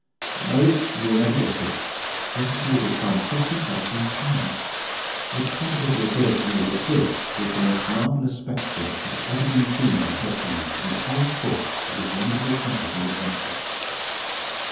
No; you will never guess it, not if you were to try fifty thousand times! It positively appears to me that this was the most marvelous spectacle that had ever been seen by Hercules, in the whole course of his wonderful travels and adventures.